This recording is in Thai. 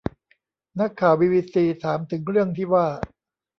นักข่าวบีบีซีถามถึงเรื่องที่ว่า